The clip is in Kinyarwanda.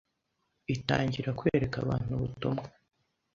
itangira kwereka abantu ubutumwa